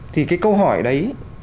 thì cái câu hỏi đấy